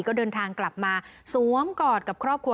ก็เดินทางกลับมาสวมกอดกับครอบครัว